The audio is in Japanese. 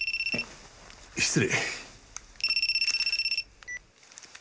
失礼。